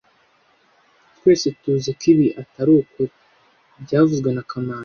Twese tuzi ko ibi atari ukuri byavuzwe na kamanzi